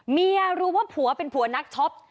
เมียรู้ว่าผัวเป็นผัวนักช็อป